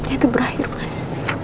itu berakhir mas